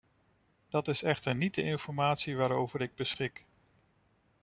Dat is echter niet de informatie waarover ik beschik.